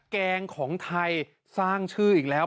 แกงของไทยสร้างชื่ออีกแล้ว